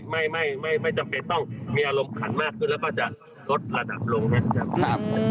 ไม่ไม่จำเป็นต้องมีอารมณ์ถังมากแล้วจะลดระดับลง